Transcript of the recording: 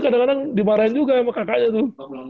kadang kadang dimarahin juga sama kakaknya tuh